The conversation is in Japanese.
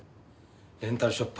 レンタルショップ